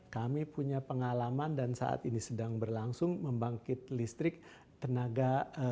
kami punya pengalaman dan saat ini sedang berlangsung membangkit listrik tenaga